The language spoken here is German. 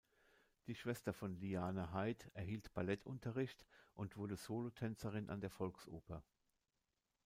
Die Schwester von Liane Haid erhielt Ballettunterricht und wurde Solotänzerin an der Volksoper.